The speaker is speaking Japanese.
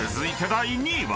第２位は。